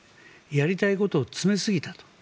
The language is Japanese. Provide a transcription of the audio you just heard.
やりたいことを詰めすぎたと。